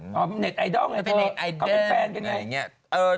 ของเน็ตไอดอลไงครับของเป็นแฟนกันไง